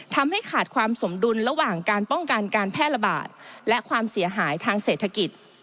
ทำให้ขาดความสมดุลระหว่างการป้องกันการแพร่ระบาดและความเสียหายทางเศรษฐกิจ